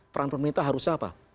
peran pemerintah harusnya apa